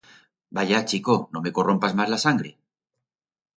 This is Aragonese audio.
Vaya, chico, no me corrompas mas la sangre.